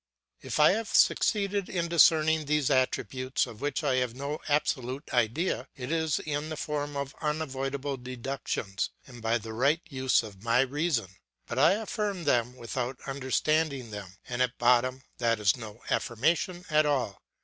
If I have succeeded in discerning these attributes of which I have no absolute idea, it is in the form of unavoidable deductions, and by the right use of my reason; but I affirm them without understanding them, and at bottom that is no affirmation at all.